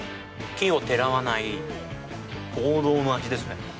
奇をてらわない王道の味ですね。